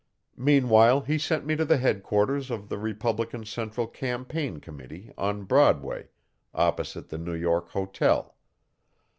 Meanwhile he sent me to the headquarters of the Republican Central Campaign Committee, on Broadway, opposite the New York Hotel.